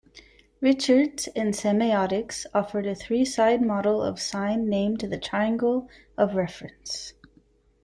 Richards in semiotics, offered a three-side model of sign named the triangle of reference.